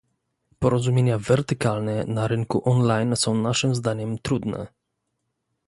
Porozumienia wertykalne na rynku on-line są naszym zdaniem trudne